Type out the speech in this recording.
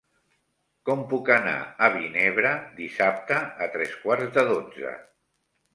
Com puc anar a Vinebre dissabte a tres quarts de dotze?